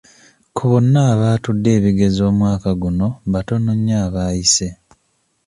Ku bonna abaatudde ebigezo omwaka guno batono nnyo abaayise.